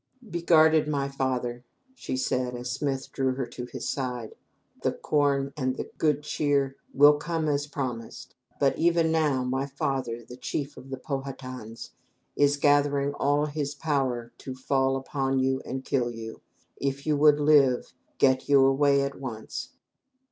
"Be guarded, my father," she said, as Smith drew her to his side. "The corn and the good cheer will come as promised, but even now, my father, the chief of the Pow ha tans is gathering all his power to fall upon you and kill you. If you would live, get you away at once."